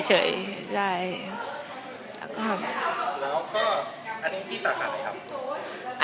แล้วก็อันนี้ที่สาขาไหนครับ